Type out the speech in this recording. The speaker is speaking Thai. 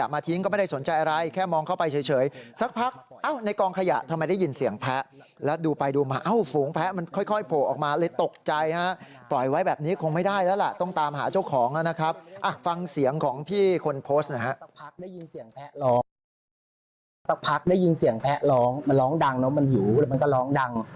มาช่วยรับแพ้กลับไปหน่อยไม่รู้แพ้หลุดมาจากของตำรวจหรือเปล่า